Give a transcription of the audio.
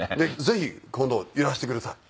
ぜひ今度いらしてください。